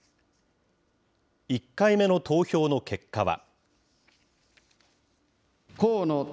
１回目の投票の結果は。